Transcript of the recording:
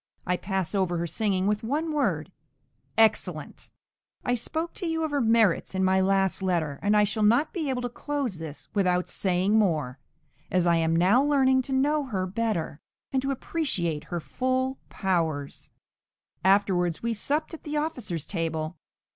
I pass over her singing with one word, excellent. I spoke to you of her merits in my last letter, and I shall not be able to close this without saying more, as I am now learning to know her better, and to appreciate her full powers. {MANNHEIM.} (418) Afterwards we supped at the officers' table.